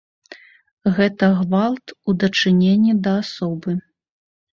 Гэта гвалт у дачыненні да асобы.